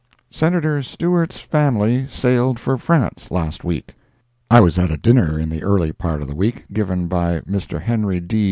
Senator Stewart's family sailed for France last week. I was at a dinner in the early part of the week, given by Mr. Henry D.